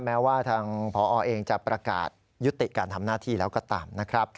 แม้ว่าทางพอเองจะประกาศยุติการทำหน้าที่แล้วก็ตามนะครับ